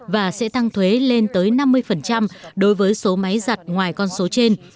và sẽ tăng thuế lên tới năm mươi đối với số máy giặt ngoài con số trên